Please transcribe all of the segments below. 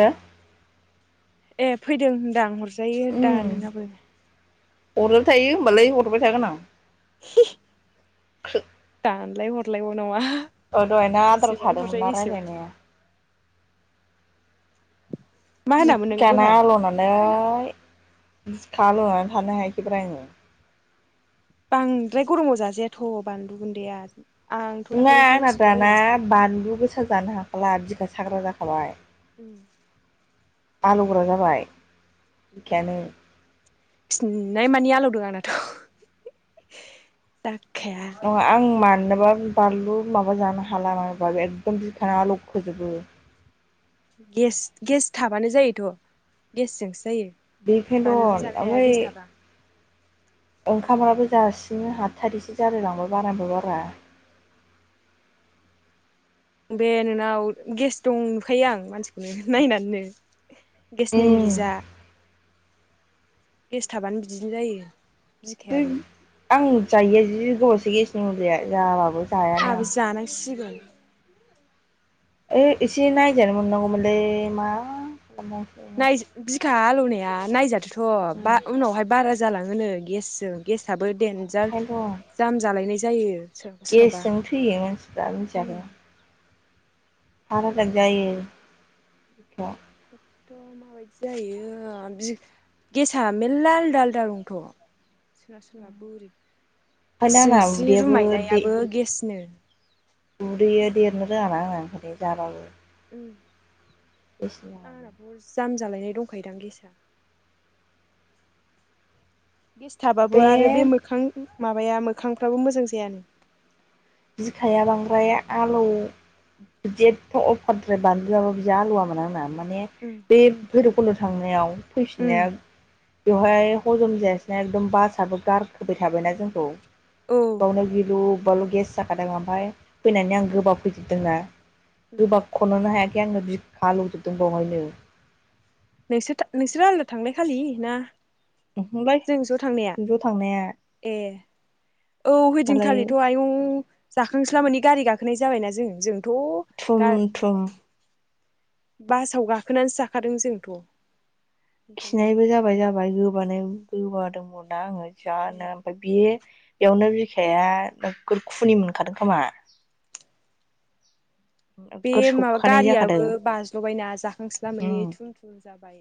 ओ ए फैदों होनदां आ हरजायो दा नोंनाबो हरबाय थायो होमबालाय हरबाय थागोन आं [inaudible] खो दानलाय हरलायबो नङा औ दहायना आद्रा थादोंमोनना रायज्लायनाया मा होनामोन नों जिखायाना दहाय आल'नानै बिखाआलनानै थानो हायाखैब्रा आङो बांद्राय गरमाव जाजायाथ' बानलु गुन्दैया आंथ' नङा दाखालि आंना दाना होसोलाबायनानै बानलु गोसा जानो हाखाला बिखा साग्रा जाखाबाय उम आलौग्रा जाबाय बिखायानो खिनाय मानि आलौदों आंनाथ' दा नङा आं मानो माबा बानलु माबा जानो हालाबो एकदम बिखा आलौखोजोबो गेस गेस थाबानो जायोथ' गेसजोंसो जायो बेखायनो बानलु जानो हाया ओमफ्राय गेस थाबा ओंखामफ्राबो जासिनो हाथारिसो जालाय लांबाय बारानिबो बारा बे नोंनाव गेस दं नुखायो आं मानसिखौनो नायनानैनो गेसनि मुलि उम जा गेस थाबानो बिदिनो जायो बै बिखायाबो आं जायो जि गोबावसे गेसनि मुलिया जाबाबो जायानो आं आहाबो जानांसिगोन ओइ एसे नायजानो मोननांगौमोनलै मा खालामनांसै नाय बिखा हालौवनाया नायजादोथ' बा ओंखायनोथ' उनावहाय बारा जालाङोनो गेसजों गेसाबो देनजार जाम जालायनाय जायो सोरनावबा सोरनावबा गेसजों थैयो मानसिफ्रा मिथियाखैबा उम थार थग जायो थ' माबायदि जायो गेसा मेर्ला आलदा आलदा दंथ' सोरनाव सोरनाबा बुरि ओंखायनो आंना सिनस्रि उदैयाबो दे रुमायनायाबो गेसनो उदैया देरनो रोङाना आंना ओंखायनो जाबाबो। उम इस्ला [unintelligible] आंनाथ' जाम जालायनाय दंखायोदां गेसा। गेसथाबाबो आरो बे मोखां माबाया मोखांफ्राबो मोजां जायानो। बिखाया बांद्राय आलौ बिदि एथ' अफारद्राय बानलु जाबाबो बिदि आलुवामोन आंना। माने उम बे भैरबकुन्द' थांनायाव उम फैफिननाया बेवहाय हजम जायासैना एकदम बासआबो गारखोबाय थाबायना जोंखौ औ बावनो गिलु बबबावल' गेस जाखादों ओमफ्राय फैनानै आं गोबाव फैदेरदोंना गोबा खननोनो हायाखै आंनो बिखा लुजोबदों बेवहायनो नोंसोर नोंसोरो आंनो थांनाय खालि ना नोंलाय जों ज' थांनाया ज' थांनाया ए औ दालाय होदिनखालिथ' आयं जाखांस्ला मोननि गारि गाखोनाय जाबायना जोङो जों थुम गा थुम बासाव गाखोनानै जाखादों जोंथ' ओंखामखौनो खिनायबो जाबाय जाबाय गोबानो गोबादोंमोन दा आङो ए जानो ओमफ्राय बे बेयावनो बिखाया नोगोखुनि मोनखादों खोमा बे नोगोर माबा सौखानाय जाखादों गारियाबो बाज्ल'बायना जाखांस्ला मानानि उम थुम थुम जाबाय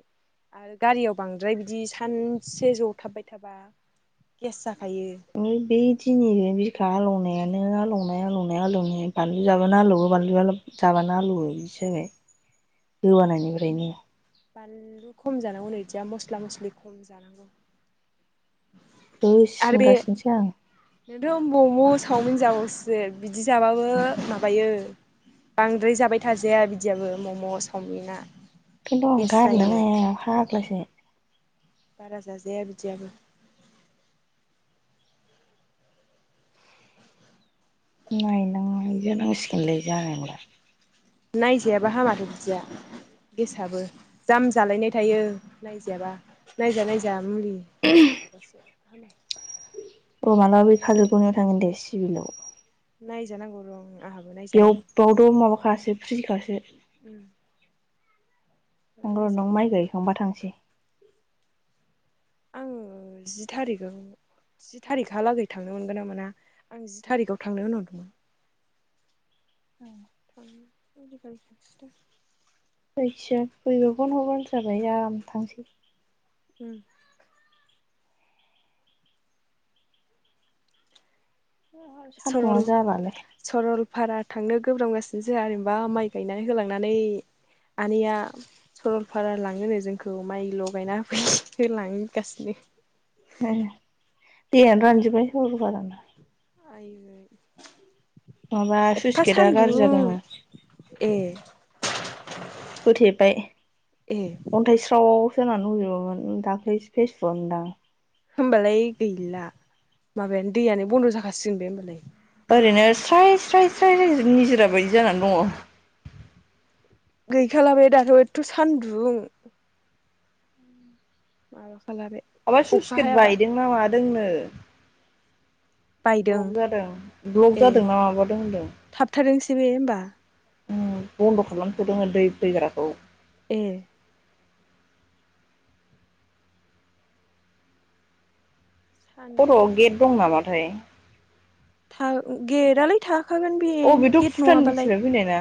आरो गारियाव बांद्राय बिदि सानसे जथाबबाय थाबा गेस जाखो बेदिनि खा लंनायानो लंनाया लौनाया लौनाया बानलु जाबानो आलौवो बानलुआ जाबानो आलौवो जाबाय गोवानायनिफ्रायनो बानलु खम जानांगौ नै बिदिया मस्ला मस्लि खम जानांगौ दे आरो बे सिनगासिनोसै आं नोंथ' मम' सावमिन जाबावसो बिदि जाबाबो माबायो बांद्राय जाबाय थाजाया बिदियाबो मम' चावमिना। बेन्थ अंगारललाय हाग्लासो बारा जाजाया बिदियाबो।। नायनांनायजानांसिगोनलै जानाय नंला [inaudible] [unintelligible] नायजायाबा हामाथ' बिदिया गेसआबो जाम जालायनाय थायो नायजायाबा नायजा नायजा मुलि अ मालाबा बे काजलगावनियाव थांगोन दे सिभलाव नायजानांगौ र' आ बेयाव बावथ' माबाखासो फ्रि खासो। उम माबा नंगौ नों नायजाहैनाय माइ गायखांबा थांसै। आङो जि थारिखआव। जि थारिखहालागै थांनो मोनगोन ना मोना आं जि थारिखाव थांनो होनहरदोंमोन औ [inaudible] दि जायखिजाया बैबो बन हरबानो जाबाय आं थांसै उम सरल सान्दुंआ जालालै सरलफारा थांनो गोब्राबगासिनो जायोंहा गोब्रामगासिनो माइ गायनानै होलांनानै आनैया सरलपारा लाङोनो जोंखौ माइल' गायना होफै होनलागासिनो। दानो रानजबायाय सरलफाराना आई। माबा स्लुइस गेटआ गाज्रि जादोंनो। ए होथेबाय ए अन्थाइस्राव खोनानै लुजोबोमोन दाख्लैसो फेसबुकआव नुदां। होमबालाय गैला माबायानो दैयानो बन्द' जाखासिगोन बे होनोमबालाय? ओरैनो स्राय स्राय स्राय निजा बायदि जानानै दङ। गैखाला बे दाथ' एथथ' सान्दुं? ब [inaudible] माबा सुच गेट बायदोंना मादोंनो। बायदों ब्लक जादों ब्लक जादोंना माबादों होनदों। दे होमबा। बन्द' खालामथ'दोंमोन दै फैग्राखौ, ए खर'आव सान्दुंजों गेट दं नामाथाय? गेटआलाय थाखागोन बे अ बेथ' गेट नङाबालाय भुटाननिफ्राय फैनाय ना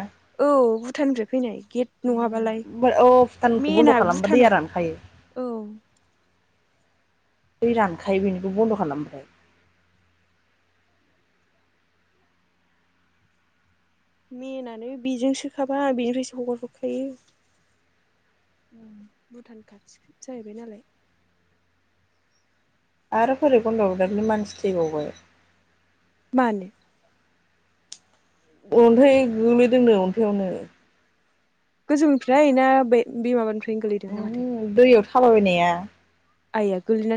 औ भुटाननिफ्राय फैनाय गेट नङाबालाय औ भुटानखौ बन्द' मेनआ खालामबा दैया भुटानाव? रानखायो औ दै रानखायो बेनिखौ बन्द' खालामबाथाय। मेनानो बिजोंसोखाबा बिनिफ्रायसो हगार हरखायो उम [inaudible] भुटान खाथि जाहैबाय नालाय आरो बोरै बनद होबावनो मानसि थैबावबाय? मानो? अन्थाइ गो्लैदोंनो अन्थायाइयावनो गोजौनिफ्राय ना बे बे माबानिफ्रायनो गोलैदोंना माथो? खालाायनाया [unintelligible] आइया गलैना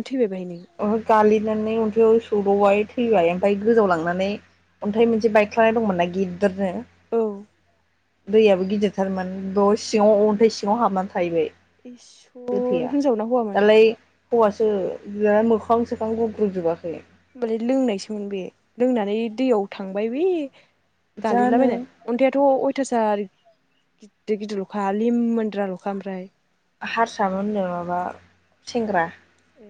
ओहो गालिननानै अन्थाइ आव। सौदावबाय थैबाय ओमफ्राय गोजाव लांनानै अन्थाइ मोनसे बाइकख्लानाय दंमोनना गिदिरनो। औ। दैयाबो गिदिरथारमोन दलं सिङाव अ अन्थाइ सिङाव हाबनानै थाहैबाय। इसर गोथैया होनजावना हौवामोन? दालाय हौवासो बि मोखां सोखां गुग्रबजोबाखै। होमबालाय लोंनायसोमोन बे लोंनानै दैयाव थांबाय बे? जानो गालिनलाबायनान अनथाइआथ अयथासार गिदिर गिदिर खालि लिमोनद्रा लखा ओमफ्राय हारसामोननो माबा सेंग्रा ए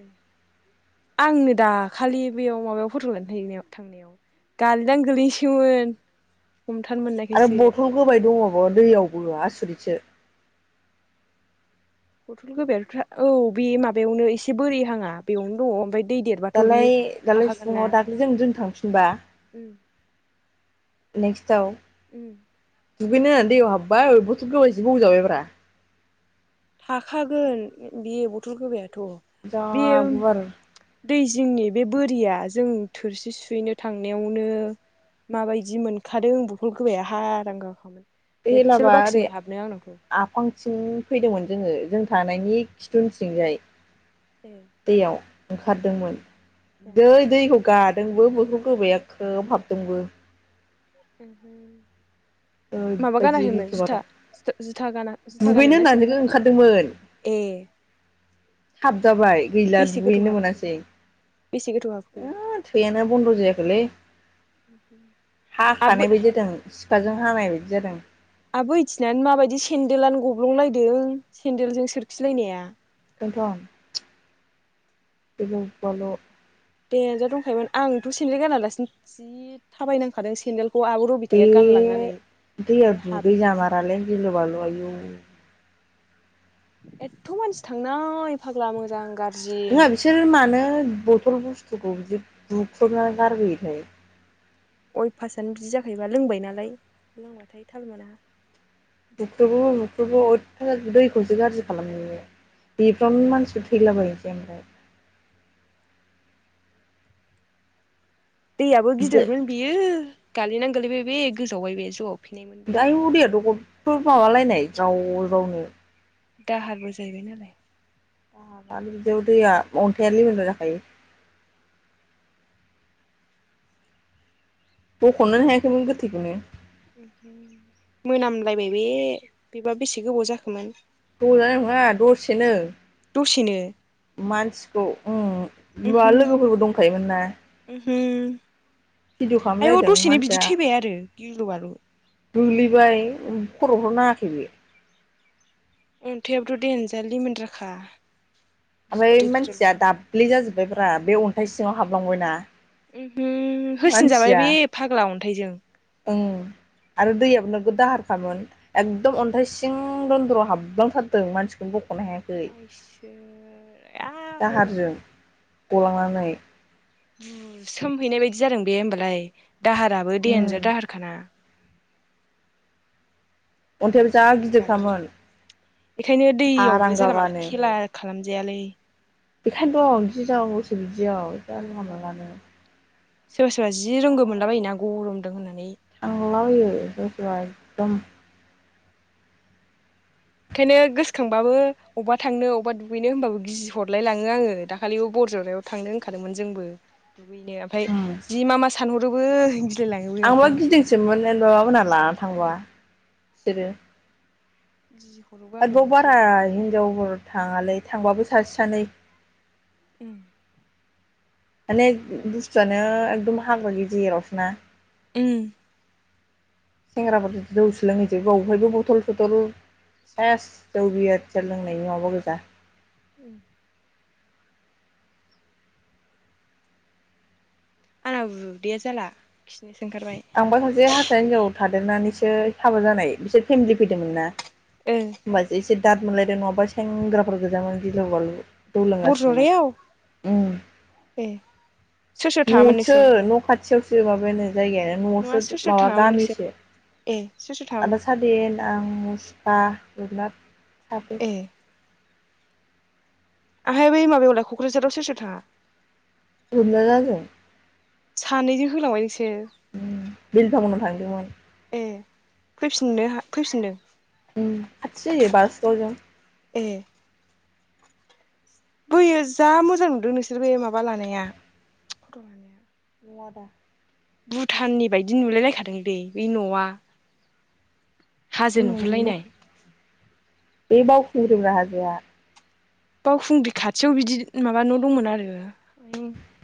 आंनो दाखालि बेयाव माबायाव फट' लानो थानाय थांनायाव गालिननान गोगलैनोसैमोन। आरो बथल गोबाय दंजोबो दैयावबो आसुरितसो बथल गोबायफ्रा औ बे माबायावनो एसे बोरै हाङा बेयावनो दङ ओमफ्राय दै देरबाथ' दालाय बियो दालाय थाखागोन फुङाव ना। दाख्लै जों जों थांफिनबा उम। नेक्स्ट आव उम। दुगैनो होननान दैयाव हाबबाय बथल' गोबबायसो बौवजाबायब्रा। थाखागोन बे बथल गोबायाथ' जा बे गुवार बे दै जिंनि बे बोरिया जों थोरसि सुहैनो थांनायावनो माबायदि मोनखादों बथल गोबायया हारां गाखौनो एला बाया बे आफां थिं फैदोंमोन जोङो जों थानायनि खिथु उनथिंजाय ए दैयाव ओंखारदोंमोन ए दै दैखौ गादोंबो बथल गोबाया खोब हाबदोंबो [unintelligible] माबा ओरैबायदि गानाखैमोन गिथाव जुथा बाथाव जुथा गाना जुथा दुगैनो गानदोंना सेनदेल होननानैसो गानदोंमोन? ओंखारदोंमोन ए हाबजाबाय गैला बेसे गोथौ दुगैनो हाबखो मोनासै। बेसे गोथौ हाबखो ओ थैययानो बन्द' जायाखैलै। आबो हाखानाय बायदि जादों सिखाजों हानाय बायदि जादों। आबो इथिनानो माबायदि सेन्देलनो गब्लंलायदों सेन्देलजों सोरखिलायनाया। खोनथ' गिलु बालु दे जा‌ दंखायोमोन आंथ' सेन्देल गानालासिनो जि थाबायनांखादों सेन्देल ख' आब' बे रबिथाया गानलांनानै दैयाव ओमफ्राय दुगै हाफैखायसो। जामारालै गिलु बालु आयु एथ' मानसि थांनाय फाग्ला मोजां गार नोङा बिसोर मानो बथल बुस्थुखौ बिदि बुख्रुबना गारबोयोथाय। अय फासआनो बिदि जाखायोबा लोंबाय नालाय लोंबाथाय थाल मोना। बुख्रुबोबो बुख्रुबो अइथासार दैखौसो गाज्रि खालामनो। बेफ्रावनो मानसिफोर थैलाबायायोनोसै ओमफ्राय। दैयाबो ओमफ्राय गिदिरमोन बियो गालिनानै गोलैबाय बे गोजावबाय बे जब [unintelligible] माबालायनाय जाव जावनो। दाहारबो जाहैबाय नालाय। [unintelligible] आरो बिदियाव दैया अन्थायालिमोनला जाखायो। बखननोनो हायाखैमोन गोथैखौनो। मोनामलायबाय बे बेबा बेसे गोबाव जाखोमोन। दजानाय नङा दसेनो। दसेनो? मानसिखौ उम उमहो [unintelligible] लोगोफोरबो दंखायोमोन ना। उमहो भिडिअ' आयौ खालामलायदों दसेनो मानसिया बिदि थैबाय आरो गिलु बलु गोग्लैबाय खर'फोराव नाङाखै बे। अन्थायाबोथ' देनजार लिमोनलाखा ओमफ्राय मानसिया दाब्लि जाजोब्बायफ्रा बे अन्थाइ सिङाव हाबलांबायना। उमहो होसिन जाबाय बे फाग्ला अन्थाइजों उम आरो दैयाबो नोगोद दाहारखामोन एकदम अन्थाइ सिं दन्द्रआव हाबलांथारदों मानसिखौनो बख' आयसोर आव दाहारजों गलांनानै। बुसोमहैनाय बायदि जादों बे होमबालाय दाहाराबो उम देनजार दाहारखाना अन्थायाबो जा गिलु बालु गिदिरखामोन बेखायनो दैयावबो जानला मानला हारांगागानो खेला खालामजायालै। बेखायनोथ' दुगैलाबायनाय गिनांगौसो बिदियाव जानला गरमबाबो मेनलानो। सोरबा सोरबा जि रोंगौ मोनला बायोना गरमदों होनना। [unintelligible] ओंखायनो गोसोखांबाबो अब्बा थांनो अब्बा दुगैनो होनबाबो गिहरलाय लाङो आङो दाखालिबो ब [unintelligible] थांनो ओंखारादोंमोन जोंबो दुगैनो ओमफ्राय उम जि मा मा सानहरोबो गिलायलाङोबो आंबा ओमफ्राय गिदिंसोमोन [unintelligible] लाना थांबा बिसोरो। गिजि हरोबो आङो आरोबाव बारा ओंखारलाबायनो हिनजावफोर थाङालै थांबाबो सासे सानै उम माने बुस्थुआनो एकदम हाग्रा गेजेरावसोना उम सेंग्राफोर'जों जौ सोलोंहैजोबो अहायबो बथल सथल। सेयस जौ बियार लोंनायनि माबा गोजा। उम। आंना उदैया जाला खिनिसै। आंबा सासे हारसा हिनजाव थादेरनानैसो हाबा जानाय बिसोर फेमिलि फैदोंमोन ना। ओ होमबासो एसे दाद मोनलायदों नङाबा सेंग्राफोर गोजामोन गिलु बालु। जौ लोंगासिनो बरजरायाव उम। ए सोर सोर थाङामोन न'सो नोंसोर न' खाथियावसो माबानो जायगायानो नङा न'आवसो सोर सोर माबा थाङामोन नोंसोर गामिसो ए सोर सोर थाङामोन आदा सादिन आं मुसुखा ए [unintelligible] आहाय बै माबायावलाय क'क्राझाराव सोर सोर थाङा [unintelligible] [inaudible] सानैजों होलांबाय नोंसोर उ बिलिफांमोनाव थांदोंमोन ए फैफिननो फैफिनदों खाथि जायो बारस' दों ए बोयो जा मोजां नुदों नोंसोरबोयो माबा लानाया [unintelligible] [inaudible] भुटाननि बायदि नुलायलायखादों दै बै न'आ हाजो नुहुर जों लायनाय गुरु हाजोआ बावखुंग्रि खाथियाव बिदि माबा न' दंमोन आरो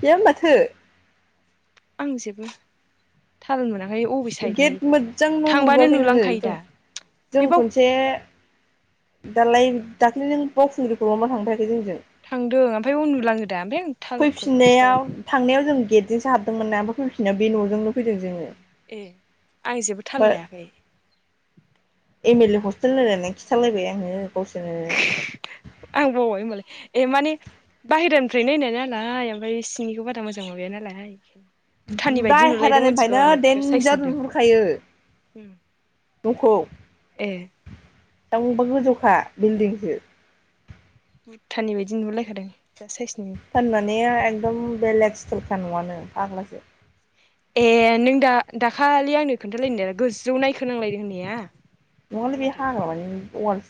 गैया माथो आं जेबो थाल मोनाखै ओमफ्राय बबे साइडनि गेट मोजांल' थांबानो नुबोआखै नोङो नुलांखायो जों दा जों बेबाव खनसे दालाय दाख्ललिनो बावखुंग्रिखौ ल' मा थांफाखै जोंजों थांदों ओमफ्राय उनन्दुलाङो दा ओमफ्राय आ थालखौ लास्लाखै बिजोंसो हाबदोंमोन ना अमफ्राय फैफिनायना बे न'जोंनो फैदों जोङो ए आं जेबो थाल बा लायाखै एम एल ए हस्टेल रायलायनानै खिथालायबाय आङो गावसोरनो आं बावबाय होनबालाय ए माने बाहेरानिफ्राय नाय होननाय नालाय ओमफ्राय सिंनिखौ बारा मोजां माबाया नालाय भुटाननि बायदि नुलायदों मिथिगौ बायहेरानिफ्रायनो आं नोगोद साइस दडन्जार नुदों नहुरखायो ए [unintelligible] [inaudible] दाबा गोजौखा बिल्दिंसो भुटाननि बायदि नुहरलायखादों जा साइस फाननानै एकदम बेलेग स्टलखा नङानो फाग्लासो ए नों दा दाखालि आंनो खोन्थालाय दा गोजौ नायखोनांलायदों होननाया ना नोंङाल बे माथो हाग्रामानि उवालसो